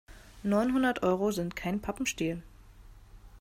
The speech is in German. Neunhundert Euro sind kein Pappenstiel.